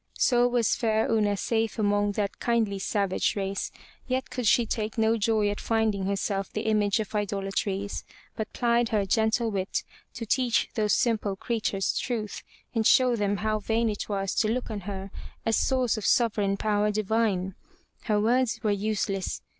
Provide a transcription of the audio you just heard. So was fair Una safe among that kindly savage race, yet could she take no joy at finding herself the image of idolatries, but plied her gentle wit to teach those simple creatures 32 FROM THE TOWER WINDOW truth and show them how vain it was to look on her as source of sovereign power divine. Her words were useless.